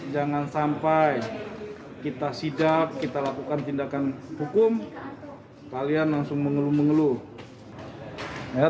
jangan sampai kita sidak kita lakukan tindakan hukum kalian langsung mengeluh mengeluh